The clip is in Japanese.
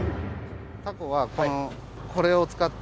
タコはこれを使って。